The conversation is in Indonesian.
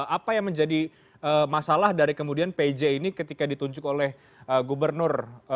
apa yang menjadi masalah dari kemudian pj ini ketika ditunjuk oleh gubernur